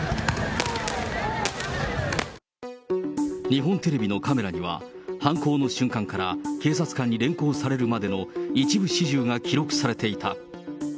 日本テレビのカメラには、犯行の瞬間から警察官に連行されるまでの一部始終が記録されていた。